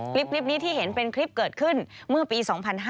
คลิปนี้ที่เห็นเป็นคลิปเกิดขึ้นเมื่อปี๒๕๕๙